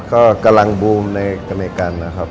ก็กำลังบูมในอเมริกันนะครับ